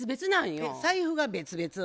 えっ財布が別々？